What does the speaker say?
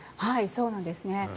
そうなんですね。